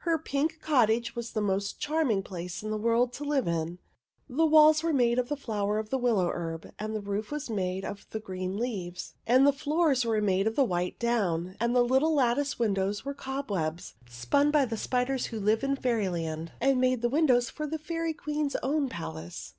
Her pink cot tage was the most charming place in the world to live in ; the walls were made of the flower of the willow herb, and the roof was made of the green leaves, and the floors were made of the white down ; and all the little lattice windows were cobwebs, spun by the spiders who live in Fairyland and make the windows for the Fairy Queen's own palace.